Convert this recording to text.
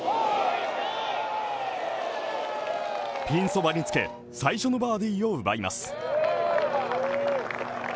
ピンそばにつけ、最初のバーディーを奪います。